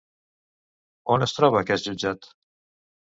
On es troba aquest jutjat?